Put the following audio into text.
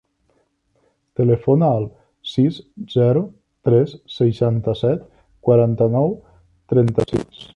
Telefona al sis, zero, tres, seixanta-set, quaranta-nou, trenta-sis.